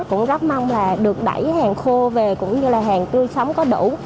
cũng rất mong là được đẩy hàng khô về cũng như là hàng tươi sống có đủ